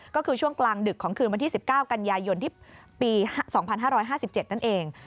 ก็คือช่วงกลางดึกของคืนวันที่๑๙กันยายนที่ปี๒๕๕๗นั่นเอง